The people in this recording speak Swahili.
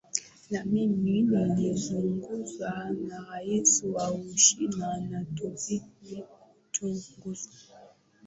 na mimi nilizungumza na rais wa uchina na tuzidi kuchunguza